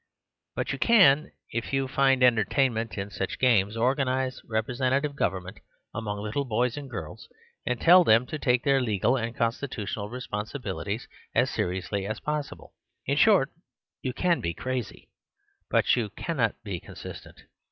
But you can, if you find entertainment in such games, organise "representative government" among little boys and girls, and tell them to take their legal and constitutional responsi bilities as seriously as possible. In short, you can be crazy; but you cannot be consistent.